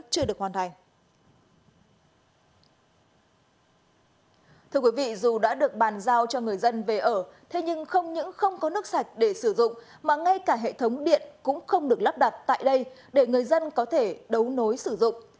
thưa quý vị dù đã được bàn giao cho người dân về ở thế nhưng không những không có nước sạch để sử dụng mà ngay cả hệ thống điện cũng không được lắp đặt tại đây để người dân có thể đấu nối sử dụng